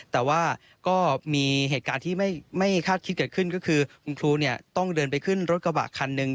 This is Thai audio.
แต่ว่าก็มีเหตุการณ์ที่ไม่คาดคิดเกิดขึ้นก็คือคุณครูต้องเดินไปขึ้นรถกระบะคันหนึ่ง